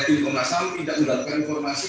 tim komnas ham tidak mendapatkan informasi